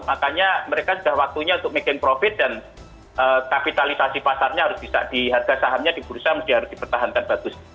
makanya mereka sudah waktunya untuk making profit dan kapitalisasi pasarnya harus bisa di harga sahamnya di bursa mesti harus dipertahankan bagus